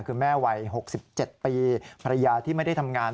คือแม่วัย๖๗ปีภรรยาที่ไม่ได้ทำงาน